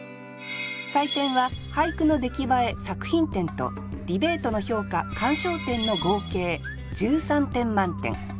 採点は俳句の出来栄え作品点とディベートの評価鑑賞点の合計１３点満点。